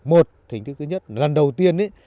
một hình thức thứ nhất lần đầu tiên